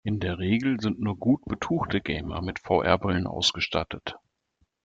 In der Regel sind nur gut betuchte Gamer mit VR-Brillen ausgestattet.